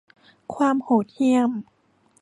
ความโหดเหี้ยม